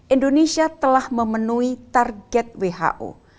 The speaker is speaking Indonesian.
indonesia telah memenuhi target who